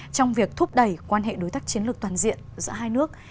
trong việc thúc đẩy quan hệ đối tác chiến lược toàn diện giữa hai nước